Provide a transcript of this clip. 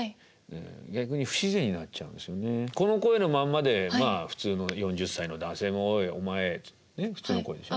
この声のまんまで普通の４０歳の男性の「おいお前」ってね普通の声でしょ？